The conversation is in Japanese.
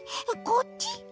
こっち？